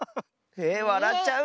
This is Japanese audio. えっわらっちゃう？